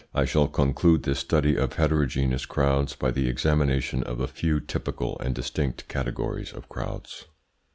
I shall conclude this study of heterogeneous crowds by the examination of a few typical and distinct categories of crowds.